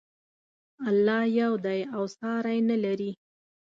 الله ج یو دی او ساری نه لري.